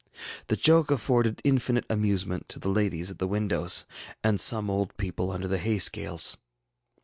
The joke afforded infinite amusement to the ladies at the windows and some old people under the hay scales.